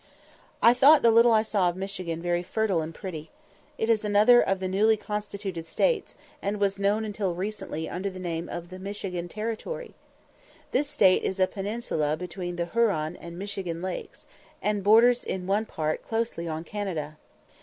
I thought the little I saw of Michigan very fertile and pretty. It is another of the newly constituted States, and was known until recently under the name of the "Michigan Territory." This State is a peninsula between the Huron and Michigan Lakes, and borders in one part closely on Canada.